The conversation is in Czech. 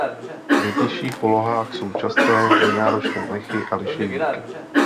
Ve vyšších polohách jsou časté nenáročné mechy a lišejníky.